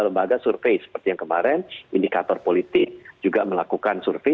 lembaga survei seperti yang kemarin indikator politik juga melakukan survei